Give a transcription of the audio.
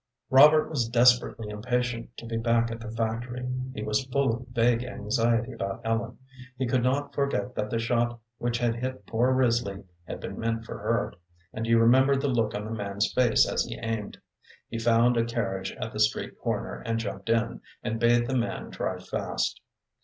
Robert was desperately impatient to be back at the factory. He was full of vague anxiety about Ellen. He could not forget that the shot which had hit poor Risley had been meant for her, and he remembered the look on the man's face as he aimed. He found a carriage at the street corner, and jumped in, and bade the man drive fast.